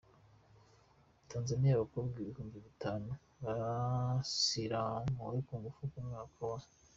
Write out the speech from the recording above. Tanzaniya Abakobwa ibihumbi bitanu basiramuwe ku ngufu mu mwaka w